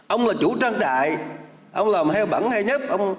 ông là chủ trang trại ông là heo bẩn hay nhấp